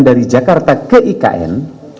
dari jakarta ke ikn